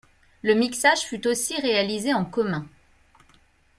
Le mixage fut aussi réalisé en commun.